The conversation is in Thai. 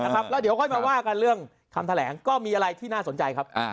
แล้วเดี๋ยวค่อยมาว่ากันเรื่องคำแถลงก็มีอะไรที่น่าสนใจครับ